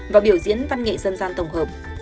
và biểu diễn văn nghệ dân gian tổng hợp